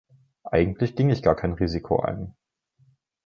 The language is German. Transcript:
Eigentlich ging ich gar kein Risiko ein.